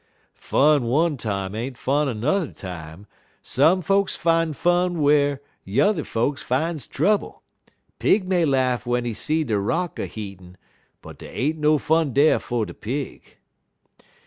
"Fun one time ain't fun 'n'er time; some folks fines fun whar yuther folks fines trouble. Pig may laugh w'en he see de rock a heatin', but dey ain't no fun dar fer de pig.